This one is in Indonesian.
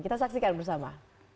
kita saksikan bersama